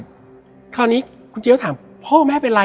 และวันนี้แขกรับเชิญที่จะมาเชิญที่เรา